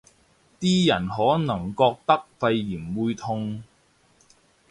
啲人可能覺得肺炎會痛